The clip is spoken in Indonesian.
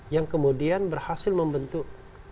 yang kemudian berhasil membentuk